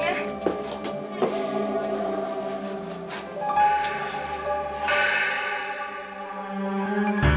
lampu di sini gany